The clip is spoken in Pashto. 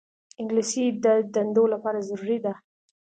انګلیسي د دندو لپاره ضروري ده